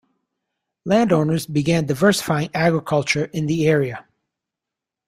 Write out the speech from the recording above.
Landowners began diversifying agriculture in the area.